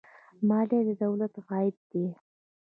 مالیه د دولت عاید دی